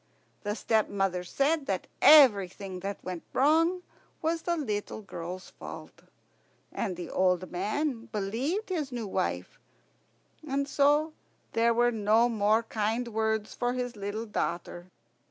The stepmother said that everything that went wrong was the little girl's fault. And the old man believed his new wife, and so there were no more kind words for his little daughter.